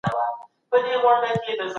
زموږ څېړني له ډېرو خنډونو سره مخامخ دي.